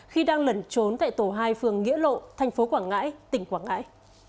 khi đang lẩn trốn tại tổ hai phường nghĩa lộ thành phố quảng ngãi tỉnh quảng ngãi